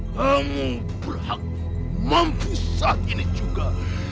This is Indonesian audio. kamu berhak mempisah ini juga